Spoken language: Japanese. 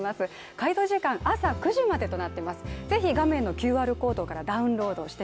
回答時間、朝６時までとなっています。